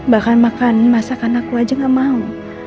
bahkan makan masakan aku aja gak mau